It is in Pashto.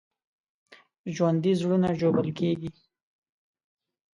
ژوندي زړونه ژوبل کېږي